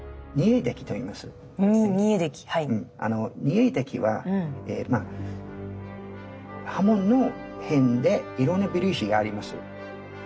沸出来は刃文の辺でいろんな微粒子があります。